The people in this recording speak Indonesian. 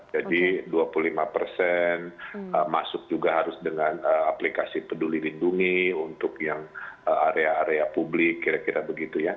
jadi dua puluh lima persen masuk juga harus dengan aplikasi peduli lindungi untuk yang area area publik kira kira begitu ya